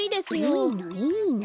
いいのいいの。